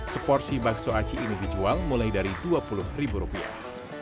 seporsi bakso aci ini dijual mulai dari dua puluh ribu rupiah